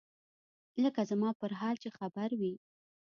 لکه زما پر حال چې خبر وي.